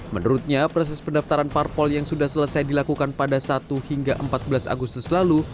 menurutnya proses pendaftaran parpol yang sudah selesai dilakukan pada satu hingga empat belas agustus lalu